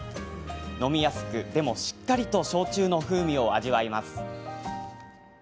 飲みやすく、でもしっかりと焼酎の風味を味わえます。